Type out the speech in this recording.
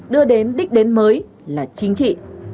đưa đến đích đến mới là chính trị